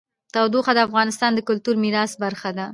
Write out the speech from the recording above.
تودوخه د افغانستان د کلتوري میراث برخه ده.